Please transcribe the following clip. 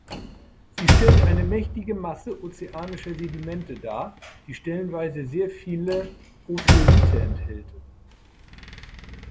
Sie stellt eine mächtige Masse ozeanischer Sedimente dar, die stellenweise sehr viele Ophiolithe enthält.